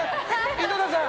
井戸田さん！